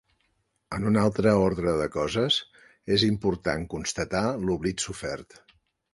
En un altre ordre de coses, és important constatar l’oblit sofert.